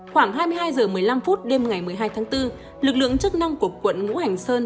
khoảng hai mươi hai h một mươi năm phút đêm ngày một mươi hai tháng bốn lực lượng chức năng của quận ngũ hành sơn